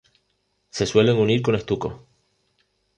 Se suelen unir con estuco.